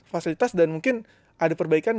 fasilitas dan mungkin ada perbaikan